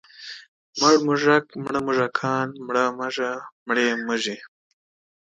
مړ موږک، مړه موږکان، مړه مږه، مړې مږې.